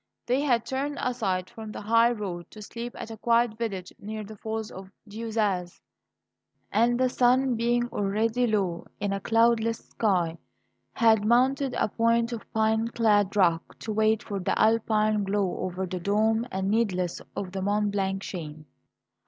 They had turned aside from the high road to sleep at a quiet village near the falls of the Diosaz, and, the sun being already low in a cloudless sky, had mounted a point of pine clad rock to wait for the Alpine glow over the dome and needles of the Mont Blanc chain.